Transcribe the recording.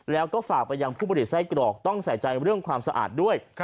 แล้วก็ฝากไปยังผู้ผลิตไส้กรอกต้องใส่ใจเรื่องความสะอาดด้วย